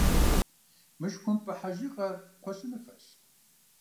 Мышхумпӏэ хьэжыгъэр кхъуэщыныфэщ.